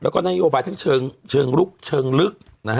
แล้วก็นโยบายทั้งเชิงลุกเชิงลึก